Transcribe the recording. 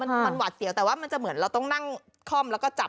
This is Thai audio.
มันหวาดเสียวแต่ว่ามันจะเหมือนเราต้องนั่งคล่อมแล้วก็จับ